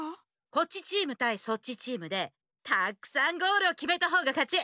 こっちチームたいそっちチームでたくさんゴールをきめたほうがかち。